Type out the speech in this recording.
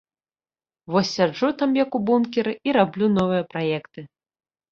Вось сяджу там, як у бункеры, і раблю новыя праекты.